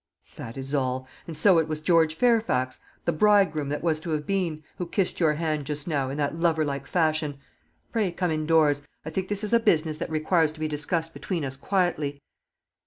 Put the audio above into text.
"That is all. And so it was George Fairfax the bridegroom that was to have been who kissed your hand just now, in that loverlike fashion. Pray come indoors; I think this is a business that requires to be discussed between us quietly."